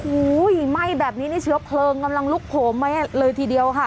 โอ้โหไหม้แบบนี้นี่เชื้อเพลิงกำลังลุกโผล่มาเลยทีเดียวค่ะ